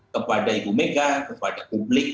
kepada ibu mega kepada publik